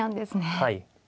はい。